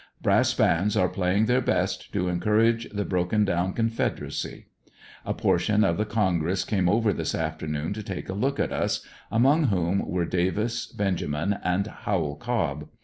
Brass bands are playing their best to encourage the broken down Confederacy. A portion of the congress came over this afternoon to take a look at us, among whom were Davis, Benjamin and How ell Cobb.